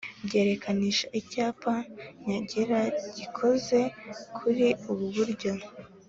byerekanishwa Icyapa nyangera gikoze kuri ubu buryo